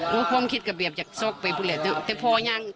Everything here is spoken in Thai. โดยความคิดก็แบบอย่างสกไปคิดไปแต่พอนี่